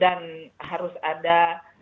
dan harus ada